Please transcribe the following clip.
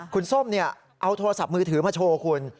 คุณส้มเอาโทรศัพท์มือถือมาโชว์คุณ